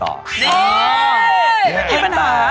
เฮ้ยไม่เป็นปัญหาไม่เป็นปัญหา